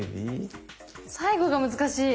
最後が難しい。